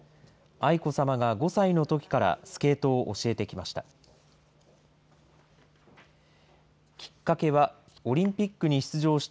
愛子さまが５歳のときからスケートを教えてきました。